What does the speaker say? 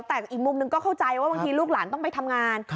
แต่อีกมุมหนึ่งก็เข้าใจว่าบางทีลูกหลานต้องไปทำงาน